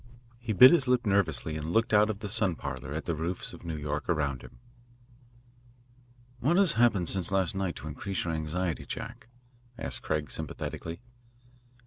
He bit his lip nervously and looked out of the sun parlour at the roofs of New York around him. "What has happened since last night to increase your anxiety, Jack?" asked Craig sympathetically.